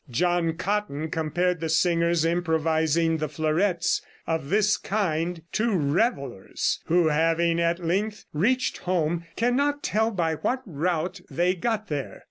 John Cotton compared the singers improvising the fleurettes of this kind to revelers, who, having at length reached home, cannot tell by what route they got there.